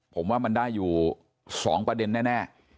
ผมว่ามันได้อยู่๒ประเด็นแน่